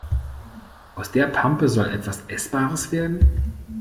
Aus der Pampe soll etwas Essbares werden?